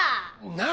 何！？